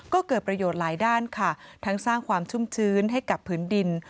ก็เกิดประโยชน์หลายด้านค่ะทั้งสร้างความชุ่มชื้นให้กับพื้นดิน